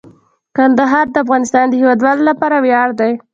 کندهار د افغانستان د هیوادوالو لپاره ویاړ دی.